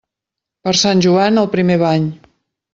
Per sant Joan, el primer bany.